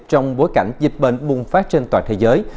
trong bối cảnh dịch bệnh bùng phát trên toàn thế giới